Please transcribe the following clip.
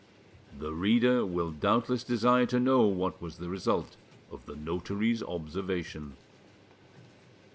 The reader will doubtless desire to know what was the result of the notary's observation.